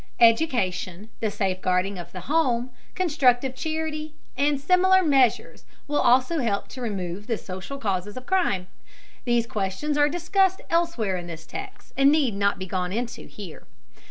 Education, the safeguarding of the home, constructive charity, and similar measures will also help to remove the social causes of crime. These questions are discussed elsewhere in this text, and need not be gone into here.